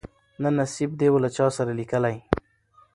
نه نصیب دي وو له چا سره لیکلی